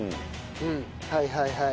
はいはいはい。